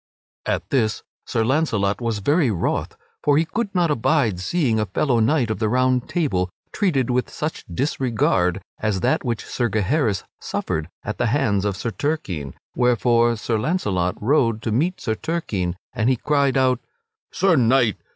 At this Sir Launcelot was very wroth; for he could not abide seeing a fellow knight of the Round Table treated with such disregard as that which Sir Gaheris suffered at the hands of Sir Turquine; wherefore Sir Launcelot rode to meet Sir Turquine, and he cried out: "Sir Knight!